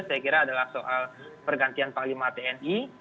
saya kira adalah soal pergantian panglima tni